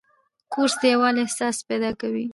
کورس د یووالي احساس پیدا کوي.